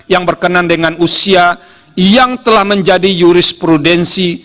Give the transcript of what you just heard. yang berkenan dengan usia yang telah menjadi jurisprudensi